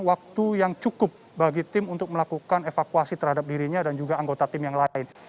waktu yang cukup bagi tim untuk melakukan evakuasi terhadap dirinya dan juga anggota tim yang lain